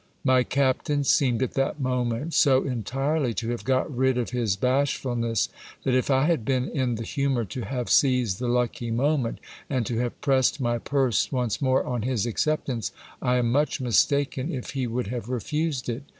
My captain seemed at that moment so entirely to have got rid of his bashfulness, that if I had been in the humour to have seized the lucky moment, and to have pressed my purse once more on his acceptance, I am much mistaken if he would have refused it.